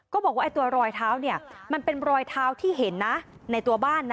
บอกว่าตัวรอยเท้าเนี่ยมันเป็นรอยเท้าที่เห็นนะในตัวบ้านนะ